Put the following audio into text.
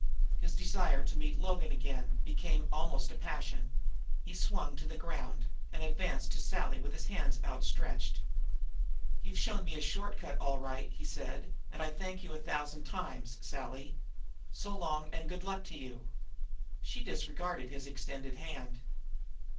His desire to meet Logan again became almost a passion. He swung to the ground, and advanced to Sally with his hands outstretched. "You've shown me the short cut, all right," he said, "and I thank you a thousand times, Sally. So long, and good luck to you." She disregarded his extended hand.